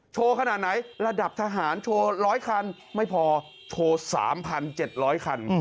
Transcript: โชว์ขนาดไหนระดับทหารโชว์ร้อยคันไม่พอโชว์๓๗๐๐คัน